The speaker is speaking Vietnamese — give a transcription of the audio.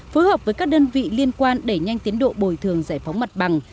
phối hợp với các đơn vị liên quan đẩy nhanh tiến độ bồi thường giải phóng mặt bằng